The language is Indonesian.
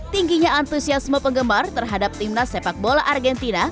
tingginya antusiasme penggemar terhadap timnas sepak bola argentina